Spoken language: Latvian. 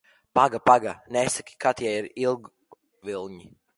Paga, paga, nesaki, ka tie ir ilgviļņi?